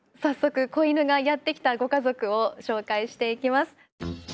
早速子犬がやって来たご家族を紹介していきます。